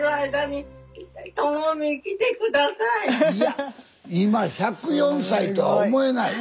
いや今１０４歳とは思えない。